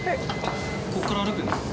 ここから歩くんですか？